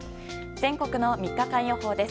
全国の３日間予報です。